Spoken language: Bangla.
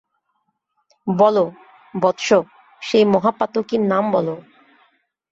বলো, বৎস, সেই মহাপাতকীর নাম বলো।